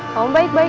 kamu baik banget